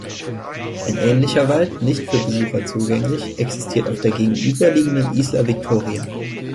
Ein ähnlicher Wald, nicht für Besucher zugänglich, existiert auf der gegenüberliegenden Isla Victoria.